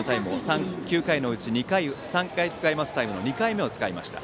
９回のうち３回使えるタイムを２回目を使いました。